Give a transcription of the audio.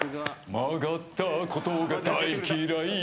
曲がったことが大嫌い！